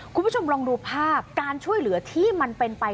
คุณผู้ชมลองดูภาพการช่วยเหลือที่มันเป็นไป